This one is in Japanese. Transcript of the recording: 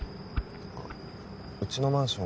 あっうちのマンション